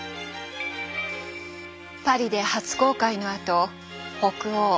パリで初公開のあと北欧